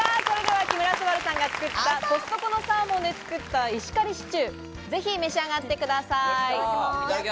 それでは木村昴さんが作った、コストコのサーモンで作った石狩シチュー、ぜひ召し上がってください。